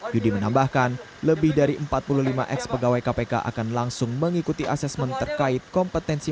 yudi menambahkan lebih dari empat puluh lima ex pegawai kpk akan langsung mengikuti asesmen terkait kompetensi